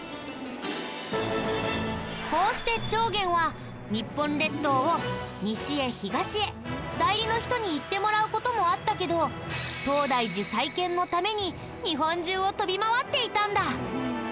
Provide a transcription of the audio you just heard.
こうして重源は代理の人に行ってもらう事もあったけど東大寺再建のために日本中を飛び回っていたんだ。